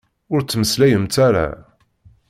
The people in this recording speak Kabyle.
Ur ttmeslayemt ara!